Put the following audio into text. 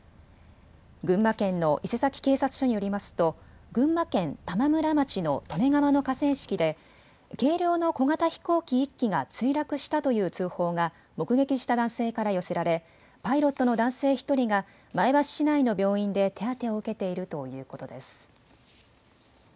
群馬県の伊勢崎警察署によりますと群馬県玉村町の利根川の河川敷で軽量の小型飛行機１機が墜落したという通報が目撃した男性から寄せられパイロットの男性１人が前橋市内の病院で手当てを受けているということです。